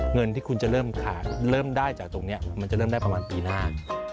เงินที่คุณจะเริ่มขาดเริ่มได้จากตรงนี้มันจะเริ่มได้ประมาณปีหน้า